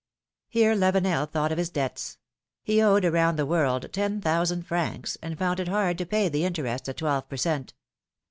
Here Lavenel thought of his debts; he owed around the world ten thousand francs, and found it hard to pay the interest at twelve per cent.